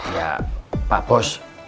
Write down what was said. ya pak bos